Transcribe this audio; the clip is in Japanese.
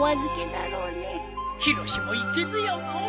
ヒロシもいけずよのう。